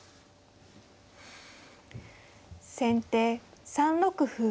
先手３六歩。